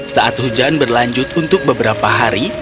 saat hujan berlanjut untuk beberapa hari